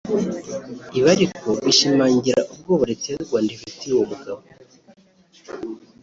Ibi ariko bishimangira ubwoba Leta y’u Rwanda ifitiye uwo mugabo